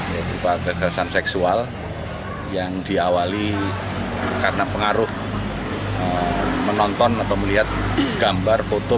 yaitu kekerasan seksual yang diawali karena pengaruh menonton atau melihat gambar foto